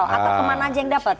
atau kemana aja yang dapat